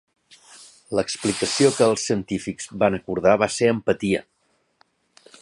L'explicació que els científics van acordar va ser empatia.